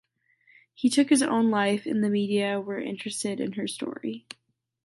He took his own life and the media were interested in her story.